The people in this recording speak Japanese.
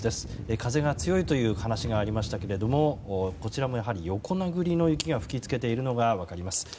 風が強いという話がありましたけれどもこちらも横殴りの雪が吹き付けているのが分かります。